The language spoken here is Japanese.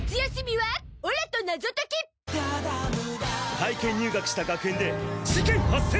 体験入学した学園で事件発生！